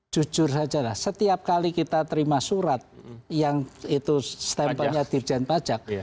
jujur saja setiap kali kita terima surat yang itu stempelnya dirjen pajak